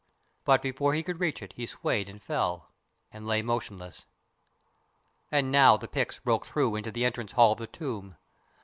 But before he could reach it he swayed and fell, and lay motionless. And now the picks broke down into the entrance hall of the tomb.